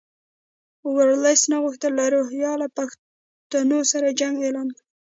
ورلسټ نه غوښتل له روهیله پښتنو سره جنګ اعلان کړي.